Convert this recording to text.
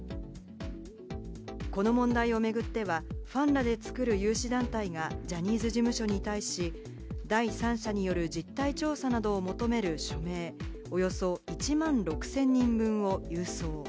この問題をめぐっては、ファンらで作る有志団体がジャニーズ事務所に対し、第三者による実態調査などを求める署名、およそ１万６０００人分を郵送。